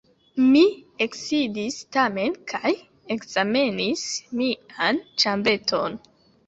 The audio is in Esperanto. Mi eksidis tamen kaj ekzamenis mian ĉambreton.